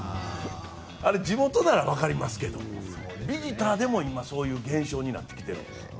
あれ、地元なら分かりますけどビジターでも今、そういう現象になってきているんです。